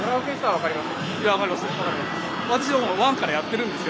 分かります。